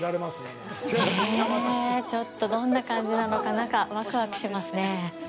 へぇぇ、ちょっとどんな感じなのか、中、ワクワクしますねぇ。